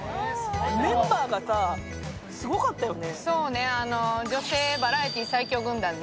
メンバーがさ、すごかったよね。